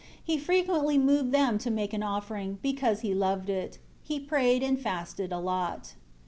He frequently moved them to make an offering, because he loved it. He prayed and fasted a lot.